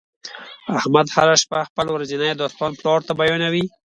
احمد هر شپه خپل ورځنی داستان پلار ته بیانوي.